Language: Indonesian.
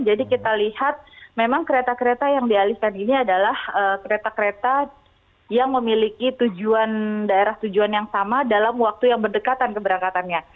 jadi kita lihat memang kereta kereta yang dialihkan ini adalah kereta kereta yang memiliki tujuan daerah tujuan yang sama dalam waktu yang berdekatan keberangkatannya